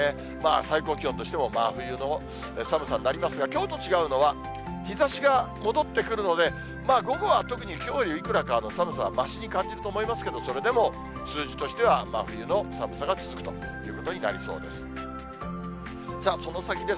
最高気温としても、真冬の寒さになりますが、きょうと違うのは、日ざしが戻ってくるので、午後は特に、きょうよりいくらか寒さはましに感じると思いますけど、それでも数字としては、真冬の寒さが続くということになりそうです。